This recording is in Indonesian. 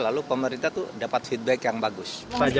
lalu pemerintah itu dapat feedback yang bagus